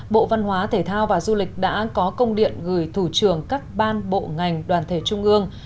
bộ văn hóa thể thao và du lịch đã có công điện gửi thủ trưởng các ban bộ ngành đoàn thể trung ương